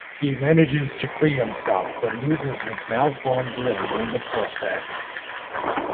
He manages to free himself but loses his malformed limb in the process.